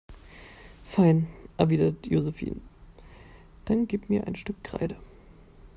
Fein, erwidert Josephine, dann gib mir ein Stück Kreide.